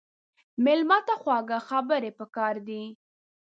مېلمه ته خواږه خبرې پکار دي.